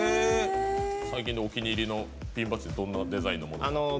最近のお気に入りのピンバッジはどんなデザインなんですか？